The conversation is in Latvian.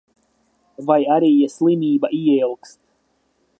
Vai arī, ja slimība ieilgst.